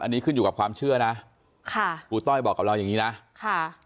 อันนี้ขึ้นอยู่กับความเชื่อนะค่ะครูต้อยบอกกับเราอย่างงี้นะค่ะ